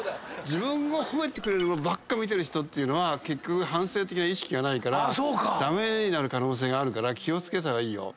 自分褒めてくれるのばっか見てる人っていうのは反省的な意識がないから駄目になる可能性があるから気を付けた方がいいよ。